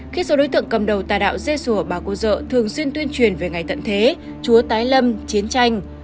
các đối tượng cầm đầu các tài đạo dê sùa bà cô dở thường xuyên tuyên truyền về ngày tận thế chúa tái lâm chiến tranh